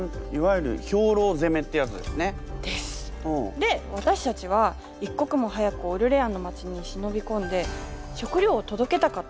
で私たちは一刻も早くオルレアンの街に忍び込んで食料を届けたかったの。